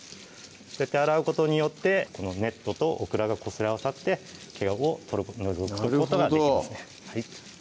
そうやって洗うことによってこのネットとオクラがこすれ合わさって毛を取り除くことができますね